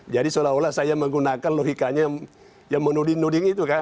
jadi seolah olah saya menggunakan logikanya yang menuding nuding itu kan